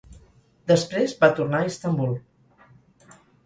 Després va tornar a Istanbul.